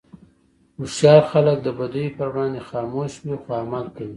هوښیار خلک د بدیو پر وړاندې خاموش وي، خو عمل کوي.